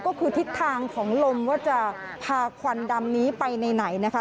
ก็คือทิศทางของลมว่าจะพาควันดำนี้ไปในไหนนะคะ